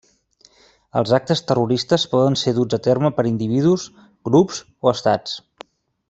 Els actes terroristes poden ser duts a terme per individus, grups o estats.